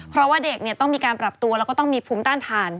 เพราะว่าเด็กต้องมีการปรับตัวแล้วก็ต้องมีภูมิต้านทาน